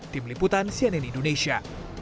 tim liputan cnn indonesia